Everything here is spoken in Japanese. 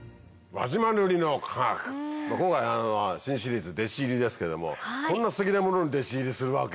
今回新シリーズ弟子入りですけどもこんなステキなものに弟子入りするわけ？